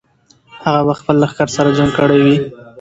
هغه به خپل لښکر سره جنګ کړی وي.